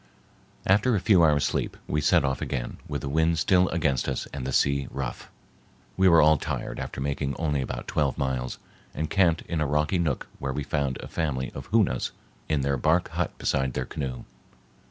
After a few hours' sleep, we set off again, with the wind still against us and the sea rough. We were all tired after making only about twelve miles, and camped in a rocky nook where we found a family of Hoonas in their bark hut beside their canoe.